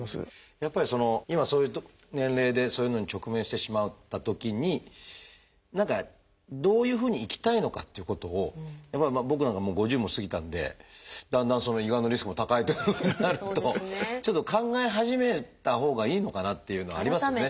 やっぱりそういう年齢でそういうのに直面してしまったときに何かどういうふうに生きたいのかっていうことをやっぱり僕なんかはもう５０も過ぎたんでだんだん胃がんのリスクも高いというふうになるとちょっと考え始めたほうがいいのかなっていうのはありますよね。